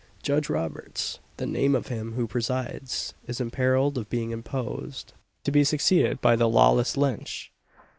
Judge Roberts the name of him who presides is in peril of being deposed; to be succeeded by the lawless Lynch!